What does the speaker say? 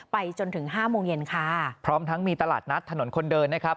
ไปจนถึงห้าโมงเย็นค่ะพร้อมทั้งมีตลาดนัดถนนคนเดินนะครับ